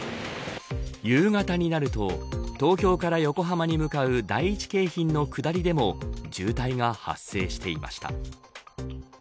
夕方になると東京から横浜に向かう第１京浜の下りでも渋滞が発生していました。